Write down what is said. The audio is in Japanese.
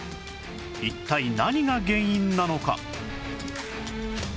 一体何が原因なのか？